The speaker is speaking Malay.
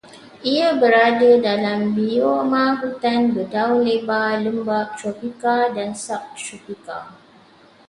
Ia berada dalam bioma hutan berdaun lebar lembap tropika dan subtropika